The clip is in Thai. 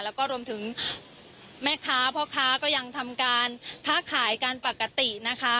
แล้วก็รวมถึงแม่ค้าพ่อค้าก็ยังทำการค้าขายกันปกตินะคะ